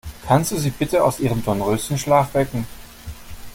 Kannst du sie bitte aus ihrem Dornröschenschlaf wecken?